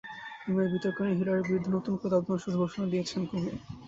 Email বিতর্ক নিয়ে হিলারির বিরুদ্ধে নতুন করে তদন্ত শুরুর ঘোষণা দিয়েছেন কোমি।